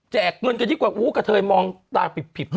แจกเงินกันยิ่งกว่าอู้กะเทยมองตาผิด